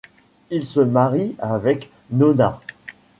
Il se marie avec Nonna.